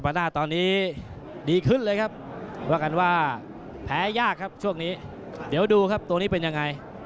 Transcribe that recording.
หน้าตอนนี้ดีขึ้นเลยครับว่ากันว่าแพ้ยากครับช่วงนี้เดี๋ยวดูครับตัวนี้เป็นยังไง